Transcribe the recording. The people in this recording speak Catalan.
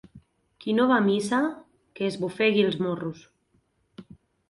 Qui no va a missa, que es bofegui els morros.